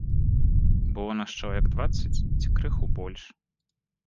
Было нас чалавек дваццаць ці крыху больш.